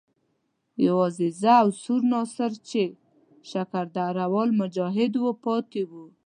یوازې زه او سور ناصر چې شکر درده وال مجاهد وو پاتې وو.